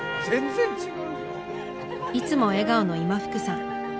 いつも笑顔の今福さん。